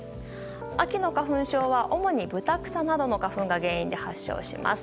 秋の花粉症は主にブタクサなどの花粉が原因で発症します。